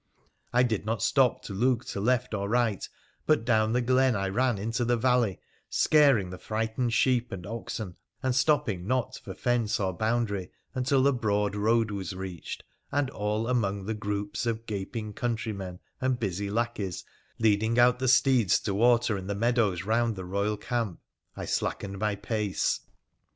I did not stop to look to left or right, but down the glen I ran into the valley, scaring the frightened sheep and oxen, and stopping not for fence or boundary until the broad road was reached, and all among the groups of gaping country men and busy lackeys leading out the steeds to water in the meadows round the Eoyal camp I slackened my pace.